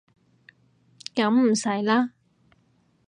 噉唔使啦